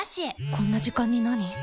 こんな時間になに？